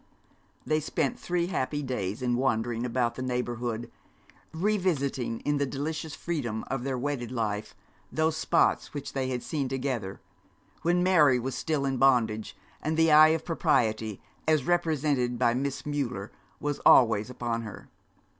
They spent three happy days in wandering about the neighbourhood, revisiting in the delicious freedom of their wedded life those spots which they had seen together, when Mary was still in bondage, and the eye of propriety, as represented by Miss Müller, was always upon her.